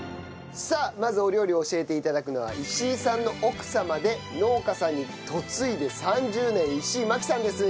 まずお料理を教えて頂くのは石井さんの奥様で農家さんに嫁いで３０年石井麻紀さんです。